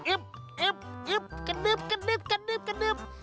อิ๊บกระดึบ